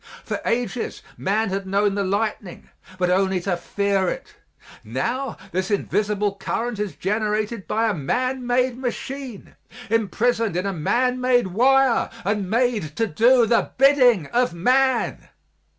For ages man had known the lightning, but only to fear it; now, this invisible current is generated by a man made machine, imprisoned in a man made wire and made to do the bidding of man.